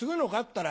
ったら